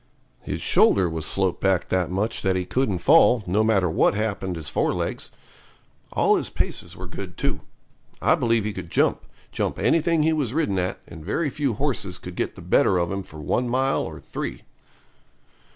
His shoulder was sloped back that much that he couldn't fall, no matter what happened his fore legs. All his paces were good too. I believe he could jump jump anything he was ridden at, and very few horses could get the better of him for one mile or three.